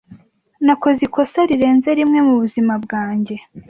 Nakoze ikosa rirenze rimwe mubuzima bwanjye.